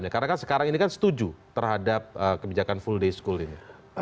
karena sekarang ini kan setuju terhadap kebijakan full diskul ini